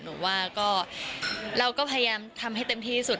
หนูว่าก็เราก็พยายามทำให้เต็มที่สุด